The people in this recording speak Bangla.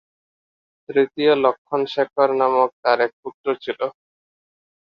তৃতীয় লক্ষ্মণ শেখর নামক তাঁর এক পুত্র ছিল।